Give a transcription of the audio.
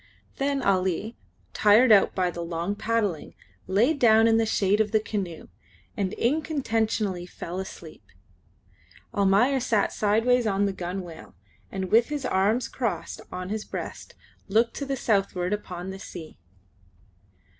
Then Ali, tired out by the long paddling, laid down in the shade of the canoe, and incontinently fell asleep. Almayer sat sideways on the gunwale, and with his arms crossed on his breast, looked to the southward upon the sea.